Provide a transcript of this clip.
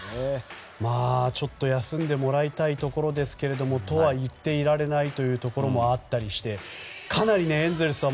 ちょっと休んでもらいたいところですがとは言っていられないというところもあったりしてかなりエンゼルスは